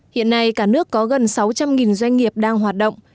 hiện nay cả nước có gần sáu trăm linh doanh nghiệp đang hoạt động